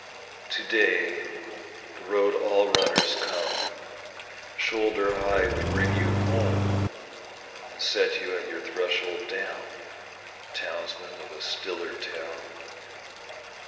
To day, the road all runners come, Shoulder high we bring you home, And set you at your threshold down, Townsman of a stiller town.